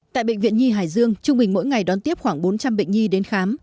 tại bệnh viện nhi hải dương trung bình mỗi ngày đón tiếp khoảng bốn trăm linh bệnh nhi đến khám